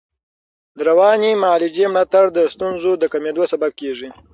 د رواني معالجې ملاتړ د ستونزو د کمېدو سبب کېږي.